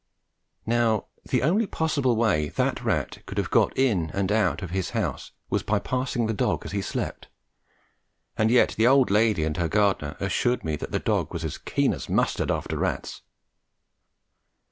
Now the only possible way that rat could have got in and out of his house was by passing the dog as he slept, and yet the old lady and her gardener assured me that the dog was as keen as mustard after rats.